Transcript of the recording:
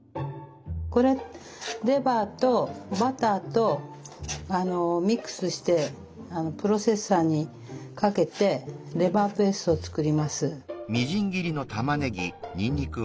これレバーとバターとミックスしてプロセッサーにかけてレバーペーストを作ります。